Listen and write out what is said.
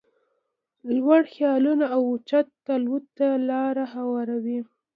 لوړ خيالونه اوچت الوت ته لاره هواروي.